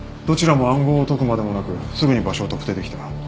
どちらも暗号を解くまでもなくすぐに場所を特定できた。